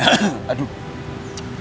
terima kasih pak